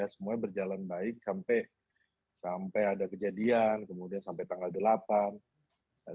semuanya berjalan baik sampai ada kejadian kemudian sampai tanggal delapan